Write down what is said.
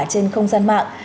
trên không gian mạng